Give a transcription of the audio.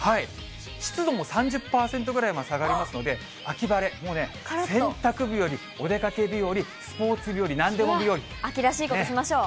湿度も３０％ぐらいまで下がりますので、秋晴れ、もうね、洗濯日和、お出かけ日和、スポーツ日和、秋らしいことしましょう。